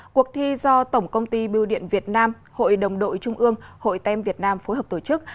cuộc thi do tổng công ty biêu điện việt nam hội đồng đội trung ương hội tem việt nam phối hợp tổ chức